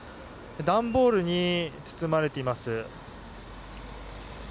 段ボールに包まれています。